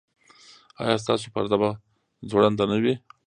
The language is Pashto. ایا ستاسو پرده به ځوړنده نه وي؟